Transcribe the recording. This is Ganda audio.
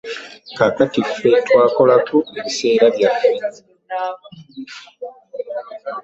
Kaakati ffe twakolako ebiseera byaffe.